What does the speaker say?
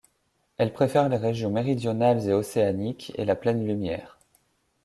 Elle préfère les régions méridionales et océaniques et la pleine lumière.